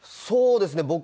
そうですね。